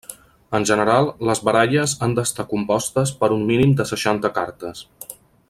En general, les baralles han d'estar compostes per un mínim de seixanta cartes.